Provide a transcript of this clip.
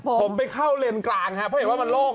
ผมไปเข้าเลนส์กลางครับเพราะเห็นว่ามันโล่ง